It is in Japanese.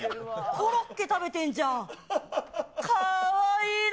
コロッケ食べてんじゃん、かわいいな。